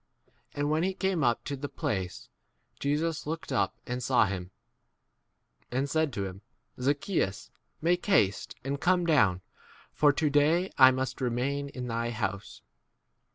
And when he came up to the place, Jesus looked up and saw him, and said to him, Zacchaeus, make haste and come down, for to day I must remain 8 in thy house.